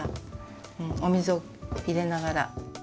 お水を入れながら。